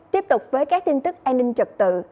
tiếp tục với các tin tức an ninh trật tự